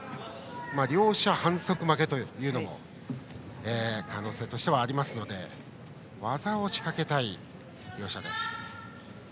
両者反則負けというのも可能性としてはありますので技を仕掛けたい両者です。